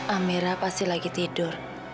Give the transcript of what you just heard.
amira pasti lagi tidur